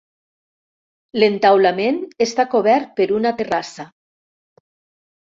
L'entaulament està cobert per una terrassa.